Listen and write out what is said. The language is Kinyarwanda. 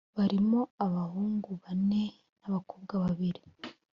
barimo abahungu bane n’ abakobwa babiri.